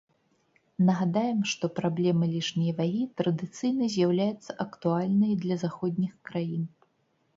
Нагадаем, што праблема лішняй вагі традыцыйна з'яўляецца актуальнай для заходніх краін.